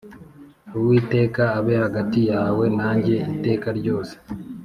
Uwiteka abe hagati yawe nanjye iteka ryose.